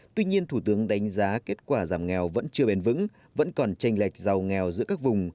tuy nhiên thủ tướng đánh giá kết quả giảm nghèo vẫn chưa bền vững vẫn còn tranh lệch giàu nghèo giữa các vùng